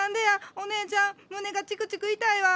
お姉ちゃん胸がチクチク痛いわ。